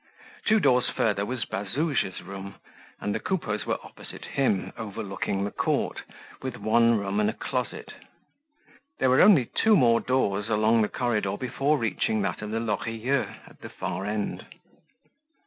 Two doors further was Bazouge's room and the Coupeaus were opposite him, overlooking the court, with one room and a closet. There were only two more doors along the corridor before reaching that of the Lorilleuxs at the far end.